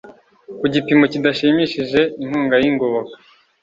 ku gipimo kidashimishije inkunga y ingoboka